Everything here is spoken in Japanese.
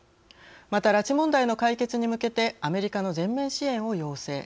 また、拉致問題の解決に向けてアメリカの全面支援を要請。